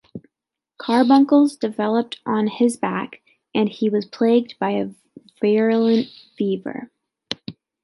Carbuncles developed on his back and he was plagued by a virulent fever.